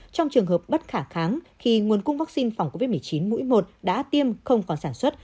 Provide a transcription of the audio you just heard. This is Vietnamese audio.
trong trường hợp bất khả kháng khi nguồn cung vaccine phòng covid một mươi chín mũi một đã tiêm không còn sản xuất